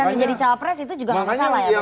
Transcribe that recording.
menjadi cawapres itu juga gak kesalah ya pak